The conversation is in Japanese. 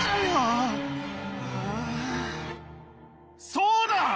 そうだ！